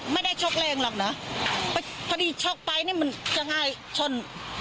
ไม่ได้ชกเล็งหรอกเหรอพอดีชกไปนี่มันจะง่ายชน